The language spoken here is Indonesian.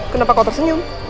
kenapa kau tersenyum